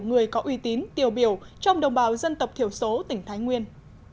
người có uy tín tiêu biểu trong đồng bào dân tộc thiểu số tỉnh thái nguyên